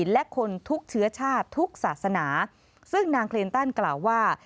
และคนทุกเชื้อชาติทุกศาสนาซึ่งนางคลินตันกล่าวว่า